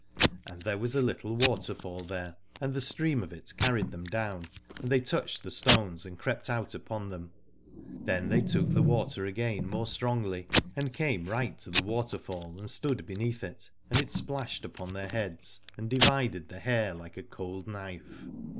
And there was a little waterfall there, and the stream of it carried them down, and they touched the stones and crept out upon them. Then they took the water again more strongly and came right to the waterfall and stood beneath it, and it splashed upon their heads 32 Alad ore and divided the hair like a cold knife.